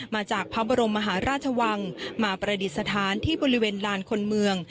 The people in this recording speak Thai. มาจากพระบรมมหาราชวังมาประดิษฐานที่บริเวณลานคนเมือง